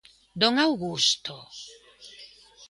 ¡Don Augusto!